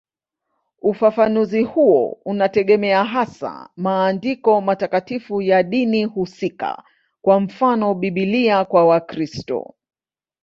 Ufafanuzi huo unategemea hasa maandiko matakatifu ya dini husika, kwa mfano Biblia kwa Wakristo.